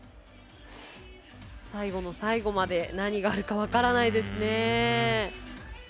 最後の最後まで何があるか分からないですね。